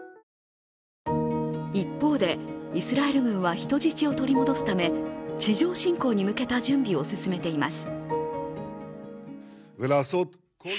一方で、イスラエル軍は人質を取り戻すため地上侵攻に向けた準備を進めています。